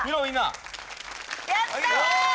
やった！